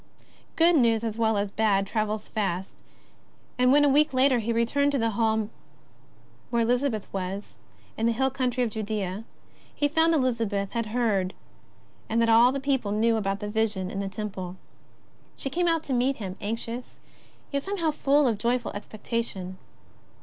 Good news, as well as bad, travels fast, and when a week later he returned to his home at Ain Karim, in the hill country of Judea, he found that Elizabeth had heard all that people knew about the vision in the Temple. She came out to meet him, anxious, yet, some how, full of joyful expectation.